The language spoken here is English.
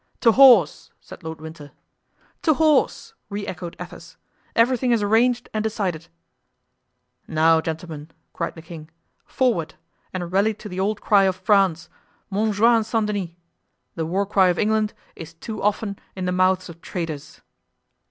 "To horse!" said Lord Winter. "To horse!" re echoed Athos; "everything is arranged and decided." "Now, gentlemen," cried the king, "forward! and rally to the old cry of France, 'Montjoy and St. Denis!' The war cry of England is too often in the mouths of traitors."